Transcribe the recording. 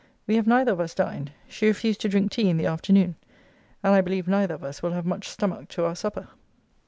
We have neither of us dined. She refused to drink tea in the afternoon: and I believe neither of us will have much stomach to our supper.